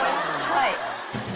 はい。